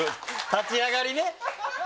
立ち上がり。